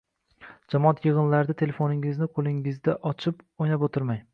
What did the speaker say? Jamoat yig‘inlarida telefoningizni qo‘lingizda ochib o‘ynab o‘tirmang.